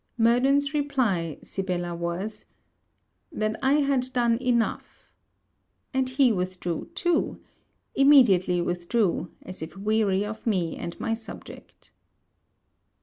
Murden's reply, Sibella, was, That I had done enough: and he withdrew, too immediately withdrew, as if weary of me and my subject.